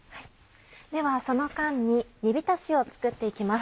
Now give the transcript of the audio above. ではその間に煮びたしを作って行きます。